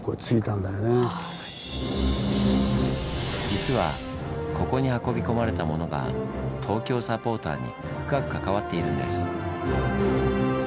実はここに運び込まれた物が東京サポーターに深く関わっているんです。